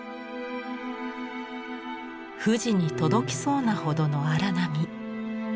富士に届きそうなほどの荒波。